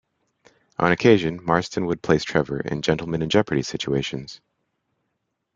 On occasion, Marston would place Trevor in "gentleman-in-jeopardy" situations.